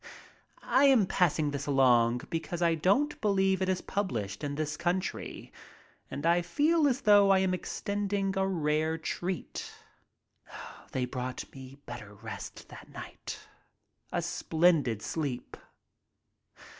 I am passing this along because I don't believe it is pub lished in this country, and I feel as though I am extending a rare treat. They brought me better rest that night — a splendid sleep.